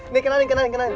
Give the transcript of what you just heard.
nih kenalin kenalin kenalin